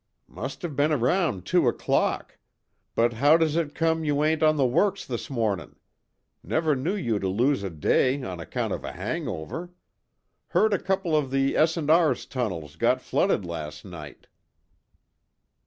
"Must have been around two o'clock. But, how does it come you ain't on the works this mornin'? Never knew you to lose a day on account of a hang over. Heard a couple of the S. & R.'s tunnels got flooded last night."